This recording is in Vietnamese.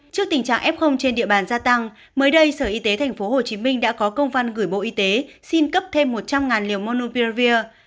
trước tình trạng f trên địa bàn gia tăng mới đây sở y tế tp hcm đã có công văn gửi bộ y tế xin cấp thêm một trăm linh liều manupirevir